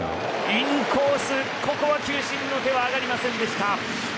インコース、ここは球審の手は挙がりませんでした。